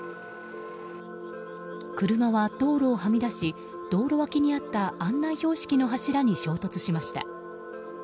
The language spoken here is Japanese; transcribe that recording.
車は道路をはみ出し道路脇にあった案内標識の柱に衝突しました。